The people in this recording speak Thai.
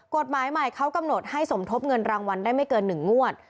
กฎหมายใหม่เขากำหนดให้สมทบเงินรางวัลได้ไม่เกิน๑งวด